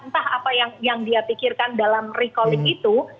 entah apa yang dia pikirkan dalam recalling itu